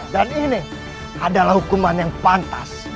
dan ini adalah hukuman yang pantas